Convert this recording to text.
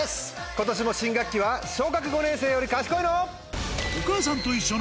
今年も新学期は小学５年生より賢いの？